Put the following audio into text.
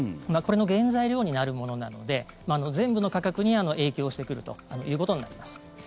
これの原材料になるものなので全部の価格に影響してくるということになります。